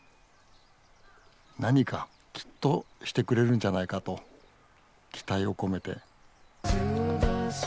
何かきっとしてくれるんじゃないかと期待を込めて。